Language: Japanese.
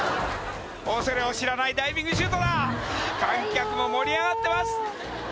恐れを知らないダイビングシュートだ観客も盛り上がってます